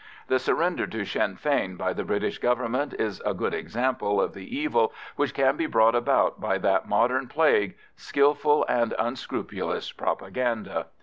The surrender to Sinn Fein by the British Government is a good example of the evil which can be brought about by that modern plague, skilful and unscrupulous propaganda.